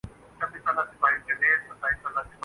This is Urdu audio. ایران سے تو دشمنی ہے۔